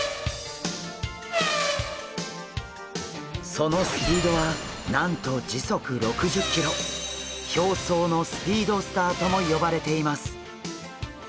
そのスピードはなんと表層のスピードスターとも呼ばれています。